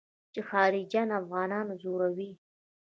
چې خارجيان افغانان ځوروي.